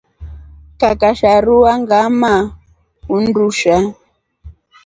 Kakasha rua ngamaa undusha.